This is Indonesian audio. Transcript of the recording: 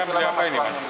belinya apa ini mas